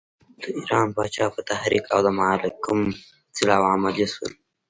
د ایران پاچا په تحریک او د مالکم په طلاوو عملی شول.